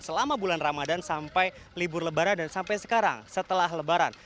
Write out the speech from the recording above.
selama bulan ramadan sampai libur lebaran dan sampai sekarang setelah lebaran